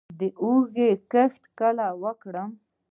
د هوږې کښت کله وکړم؟